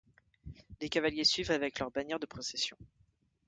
Les cavaliers suivent avec leur bannières de procession.